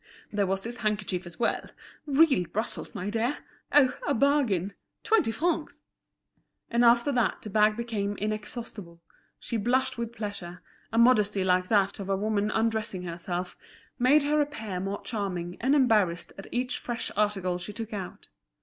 "There was this handkerchief as well. Real Brussels, my dear. Oh! a bargain! Twenty francs!" And after that the bag became inexhaustible, she blushed with pleasure, a modesty like that of a woman undressing herself made her appear more charming and embarrassed at each fresh article she took out.